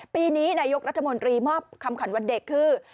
ปีนี้นายกรัฐมนตรีมอบคำขวัญวันเด็กคือ